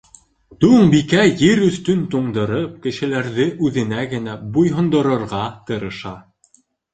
Туңбикә Ер өҫтөн туңдырып, кешеләрҙе үҙенә генә буйһондорорға тырыша.